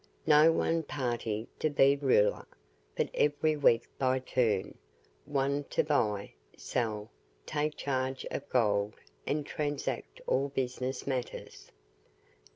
No one party to be ruler; but every week by turn, one to buy, sell, take charge of gold, and transact all business matters.